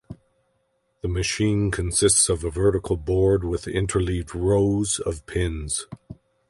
The machine consists of a vertical board with interleaved rows of pins.